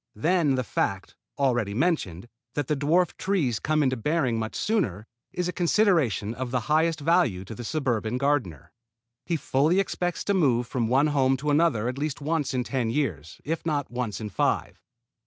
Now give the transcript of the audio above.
Then the fact, already mentioned, that the dwarf trees come into bearing much sooner, is a consideration of the highest value to the suburban gardener. He fully expects to move from one home to another at least once in ten years, if not once in five.